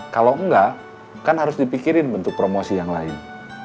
kalau enggak kan harus dipikirin bentuk promosi yang lain